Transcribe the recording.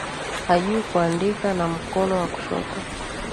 Hajui kuandika na mkono wa kushoto